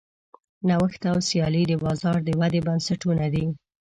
نوښت او سیالي د بازار د ودې بنسټونه دي.